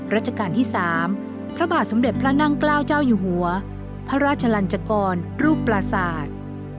ราชการที่๓พระบาทสมเด็จพระนั่งเกล้าเจ้าอยู่หัวพระราชลันจกรรูปปราศาสตร์